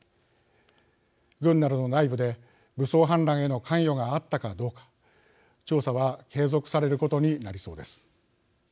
軍などの内部で武装反乱への関与があったかどうか調査は継続されることになりそうです。